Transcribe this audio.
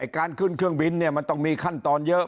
การขึ้นเครื่องบินมันต้องมีขั้นตอนเยอะ